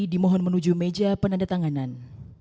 dimohon menuju meja penanda tanganan